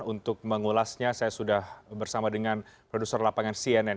untuk mengulasnya saya sudah bersama dengan produser lapangan cnn